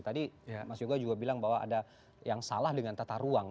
tadi mas yoga juga bilang bahwa ada yang salah dengan tata ruang